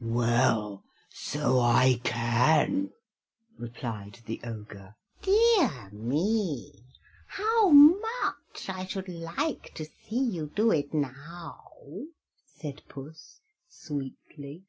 "Well, so I can," replied the Ogre. "Dear me! how much I should like to see you do it now," said Puss sweetly.